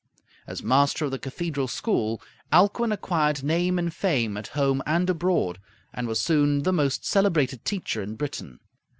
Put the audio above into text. As master of the cathedral school, Alcuin acquired name and fame at home and abroad, and was soon the most celebrated teacher in Britain.